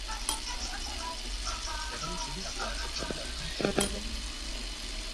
এভাবে তিনি একে একে সাতটি আসমান পর্যন্ত বর্ণনা দিলেন।